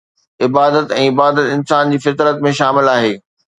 عبادت ۽ عبادت انسان جي فطرت ۾ شامل آهي